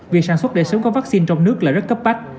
việc sản xuất để sớm có vaccine trong nước là rất cấp bách